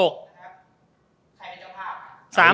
ใครจะพัก